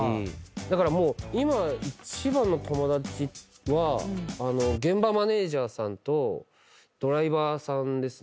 だからもう今一番の友達は現場マネジャーさんとドライバーさんですね。